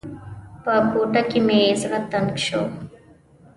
په کوټه کې مې زړه تنګ شو.